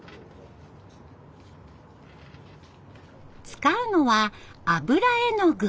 使うのは油絵の具。